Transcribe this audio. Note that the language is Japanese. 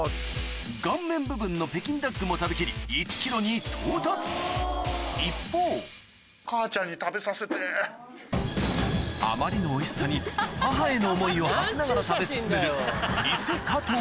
顔面部分の北京ダックも食べ切り１ｋｇに到達一方あまりのおいしさに母への思いをはせながら食べ進める